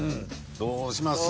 どうします？